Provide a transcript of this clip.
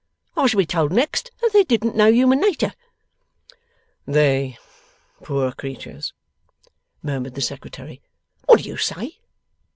I shall be told next that they didn't know human natur!' 'They! Poor creatures,' murmured the Secretary. 'What do you say?